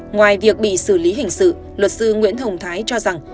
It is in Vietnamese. ngoài việc bị xử lý hình sự luật sư nguyễn hồng thái cho rằng